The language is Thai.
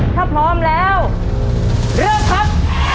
ถ้าพร้อมแล้วเริ่มครับ